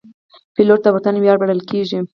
پیلوټ د وطن ویاړ بلل کېږي.